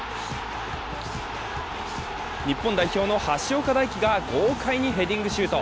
日本代表の橋岡大樹が豪快にヘディングシュート。